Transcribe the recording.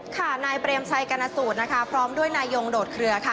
นายเปรมชัยกรณสูตรนะคะพร้อมด้วยนายยงโดดเคลือค่ะ